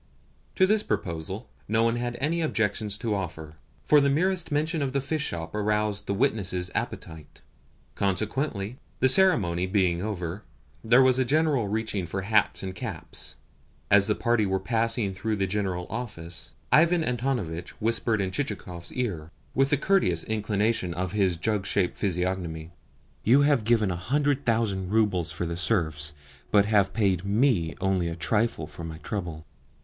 To this proposal no one had any objection to offer, for the mere mention of the fish shop aroused the witnesses' appetite. Consequently, the ceremony being over, there was a general reaching for hats and caps. As the party were passing through the general office, Ivan Antonovitch whispered in Chichikov's ear, with a courteous inclination of his jug shaped physiognomy: "You have given a hundred thousand roubles for the serfs, but have paid ME only a trifle for my trouble."